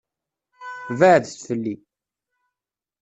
Beɛɛdet fell-i.